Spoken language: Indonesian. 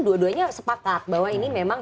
dua duanya sepakat bahwa ini memang